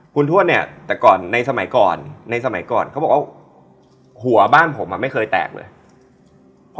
คุณชวดเนี่ยแต่ในสมัยก่อนเขาบอกว่าหัวบ้านผมไม่เคยแตกเลย